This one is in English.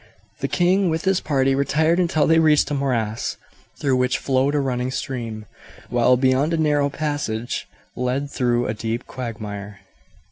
The king with his party retired until they reached a morass, through which flowed a running stream, while beyond a narrow passage led through a deep quagmire.